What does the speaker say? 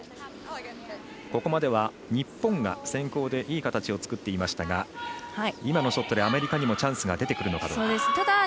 ここまでは日本が先攻でいい形を作っていましたが今のショットでアメリカにもチャンスが出てくるか。